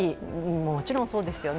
もちろんそうですよね。